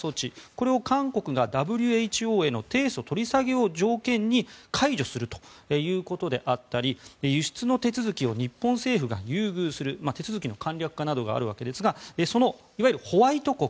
これを韓国がＷＨＯへの提訴取り下げを条件に解除するということであったり輸出の手続きを日本政府が優遇する手続きの簡略化などがあるわけですがいわゆるホワイト国